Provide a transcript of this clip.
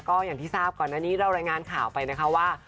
ก็อย่างที่ทราบก่อนอันนี้เรารายงานข่าวไปนะคะว่า